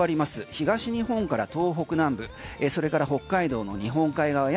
東日本から東北南部それから北海道の日本海側や